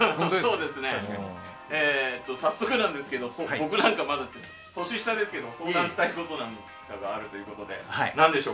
早速なんですけど僕なんか年下ですけど相談したいことなんかがあるということで。